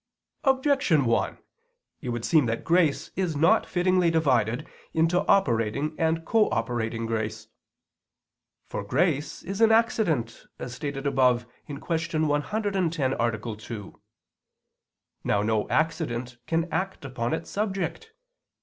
Objection 1: It would seem that grace is not fittingly divided into operating and cooperating grace. For grace is an accident, as stated above (Q. 110, A. 2). Now no accident can act upon its subject.